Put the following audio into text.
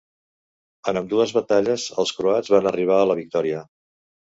En ambdues batalles els croats van arribar a la victòria.